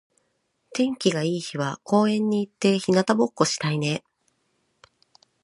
天気が良い日は公園に行って日向ぼっこしたいね。